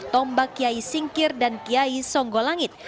tombak kiai singkir dan kiai songgolangit